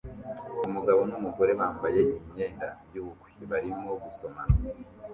Umugabo numugore bambaye imyenda yubukwe barimo gusomana